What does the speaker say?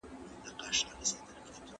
د تاريخ مطالعه د انسان عقل خلاصوي.